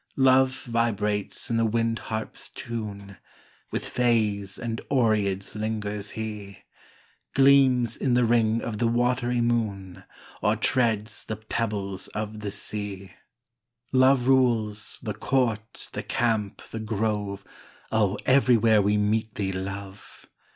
Love vibrates in the wind harp s tune With fays and oreads lingers he Gleams in th ring of the watery moon, Or treads the pebbles of the sea. Love rules " the court, the camp, the grove " Oh, everywhere we meet thee, Love